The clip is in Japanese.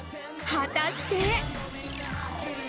果たして。